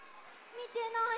みてない？